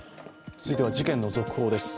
続いては事件の続報です。